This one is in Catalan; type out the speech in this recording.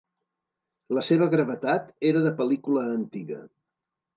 La seva gravetat era de pel·lícula antiga.